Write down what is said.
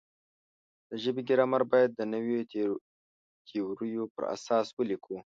د ژبې ګرامر باید د نویو تیوریو پر اساس ولیکو.